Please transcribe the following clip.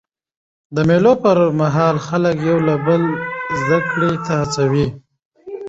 د مېلو پر مهال خلک یو له بله زدهکړي ته هڅوي.